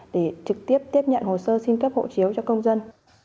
để trực tiếp tiếp nhận hồ sơ xin cấp hộ chiếu cho công dân